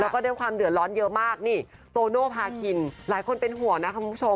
แล้วก็ด้วยความเดือดร้อนเยอะมากนี่โตโนภาคินหลายคนเป็นห่วงนะคุณผู้ชม